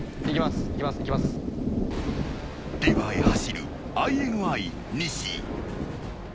［レバーへ走るＩＮＩ西］